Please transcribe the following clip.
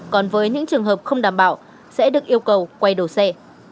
còn với những trường hợp không đảm bảo sẽ được yêu cầu quay đổ xe